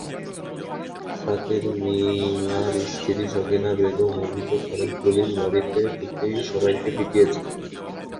ছাতির মিয়ার স্ত্রী সখিনা বেগম অভিযোগ করেন, পুলিশ বাড়িতে ঢুকেই সবাইকে পিটিয়েছে।